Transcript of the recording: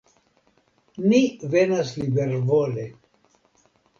Ni venas libervole.